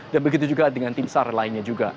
dan begitu juga dengan timsar lainnya juga